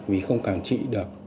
vì không cản trị được